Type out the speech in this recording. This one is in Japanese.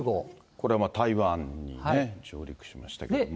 これは台湾にね、上陸しましたけれども。